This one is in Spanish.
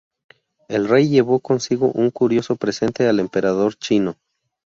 El rey llevó consigo un curioso presente al emperador chino.